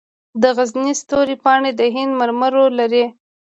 د غزني ستوري ماڼۍ د هند مرمرو لري